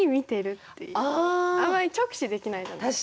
あんまり直視できないじゃないですか。